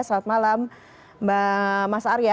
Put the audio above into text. selamat malam mas arya